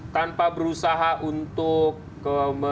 tanpa berusaha untuk